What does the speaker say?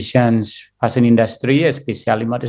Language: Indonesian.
saya pikir industri modus operasi indonesia